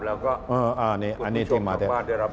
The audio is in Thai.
แล้วก็คุณผู้ชมของบ้านได้รับคุณ